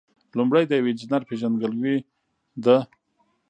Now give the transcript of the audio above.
لومړی د یو انجینر پیژندګلوي ده.